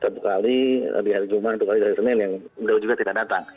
satu kali di hari jumat satu kali hari senin yang beliau juga tidak datang